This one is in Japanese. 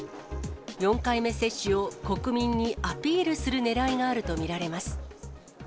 ４回目接種を国民にアピールするねらいがあると見られます。